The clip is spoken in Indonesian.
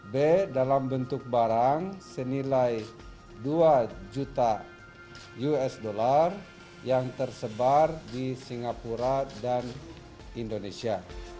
b dalam bentuk barang senilai dua juta usd yang tersebar di singapura dan indonesia